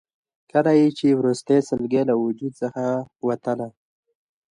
کله یې چې وروستۍ سلګۍ له وجود څخه وتله.